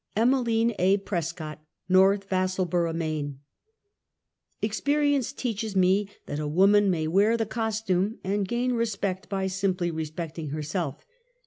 Emeline a. Prescott, N"orth Vassalboro', Maine. Experience teaches me that a woman may wear the costume and gain respect by simply respecting her self.